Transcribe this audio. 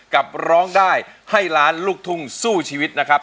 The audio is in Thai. ร้องได้ให้ล้านลูกทุ่งสู้ชีวิตนะครับ